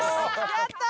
やったー！